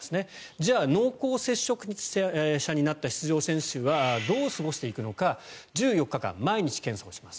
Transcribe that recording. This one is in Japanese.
じゃあ、濃厚接触者になった出場選手はどう過ごしていくのか１４日間毎日検査します。